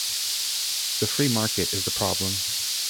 The free market is the problem.